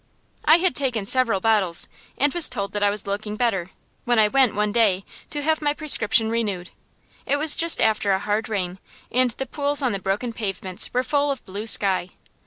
I had taken several bottles, and was told that I was looking better, when I went, one day, to have my prescription renewed. It was just after a hard rain, and the pools on the broken pavements were full of blue sky.